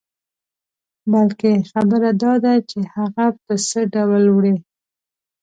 بلکې خبره داده چې هغه په څه ډول وړې.